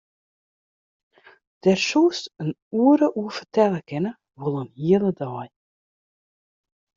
Dêr soest in oere oer fertelle kinne, wol in hele dei.